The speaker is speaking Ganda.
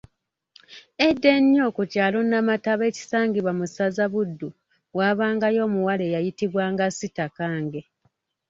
Edda ennyo ku kyalo Namataba ekisangibwa mu ssaza Buddu waabangayo omuwala eyayitibwanga Sitakange.